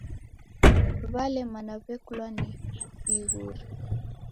W'alemana w'ekulwa ni ighuri.